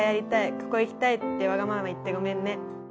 “ここ行きたい！”ってワガママ言ってごめんね」